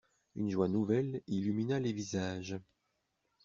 Une joie nouvelle illumina les visages.